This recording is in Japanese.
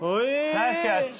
ナイスキャッチ。